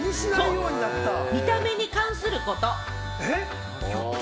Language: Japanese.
見た目に関すること。